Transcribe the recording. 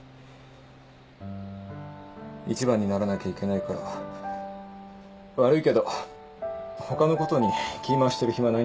一番にならなきゃいけないから悪いけど他のことに気ぃ回してる暇ないんです。